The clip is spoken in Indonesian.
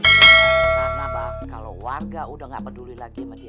karena pak kalau warga udah nggak peduli lagi sama dia